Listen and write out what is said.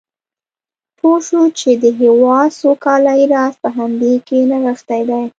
پوه شو چې د هېواد سوکالۍ راز په همدې کې نغښتی دی.